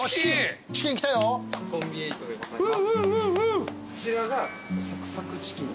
こちらがサクサクチキン。